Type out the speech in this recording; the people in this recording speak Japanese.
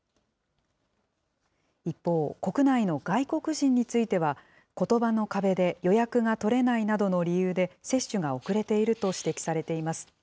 一方、国内の外国人については、ことばの壁で予約が取れないなどの理由で、接種が遅れていると指摘されています。